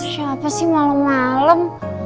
siapa sih malam malam